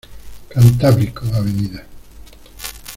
Cantábrico, av.